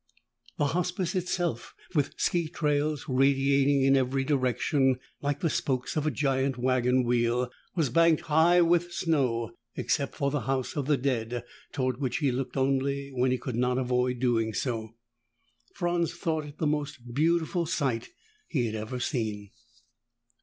The Hospice itself, with ski trails radiating in every direction, like the spokes of a giant wagon wheel, was banked high with snow. Except for the House of the Dead, toward which he looked only when he could not avoid doing so, Franz thought it the most beautiful sight he had ever seen.